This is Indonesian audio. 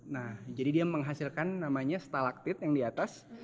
nah jadi dia menghasilkan namanya stalaktit yang di atas